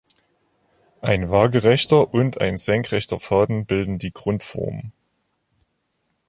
Ein waagerechter und ein senkrechter Faden bilden die Grundform.